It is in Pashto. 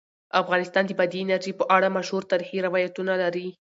افغانستان د بادي انرژي په اړه مشهور تاریخی روایتونه لري.